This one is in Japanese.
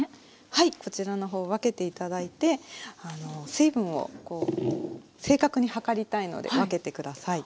はいこちらの方分けて頂いて水分を正確に量りたいので分けて下さい。